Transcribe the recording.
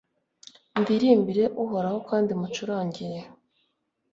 ndirimbire uhoraho kandi mucurangire